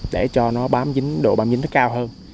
để cho nó bám dính độ bám dính nó cao hơn